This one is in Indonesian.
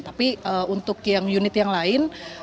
tapi untuk yang unit yang lain